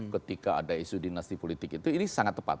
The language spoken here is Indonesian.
ketika ada isu dinasti politik itu ini sangat tepat